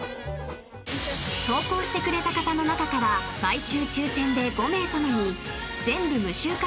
［投稿してくれた方の中から毎週抽選で５名さまに全部無臭化